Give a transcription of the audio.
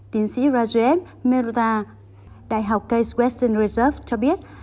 tiến sĩ raju m meruta đại học case western reserve cho biết